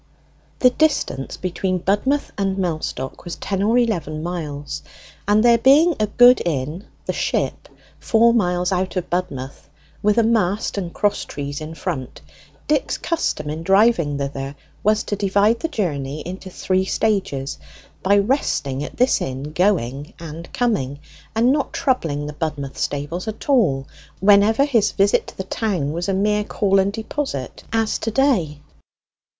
The distance between Budmouth and Mellstock was ten or eleven miles, and there being a good inn, 'The Ship,' four miles out of Budmouth, with a mast and cross trees in front, Dick's custom in driving thither was to divide the journey into three stages by resting at this inn going and coming, and not troubling the Budmouth stables at all, whenever his visit to the town was a mere call and deposit, as to day.